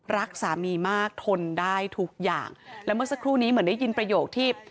รักสามีมากทนได้ทุกอย่างแล้วเมื่อสักครู่นี้เหมือนได้ยินประโยคที่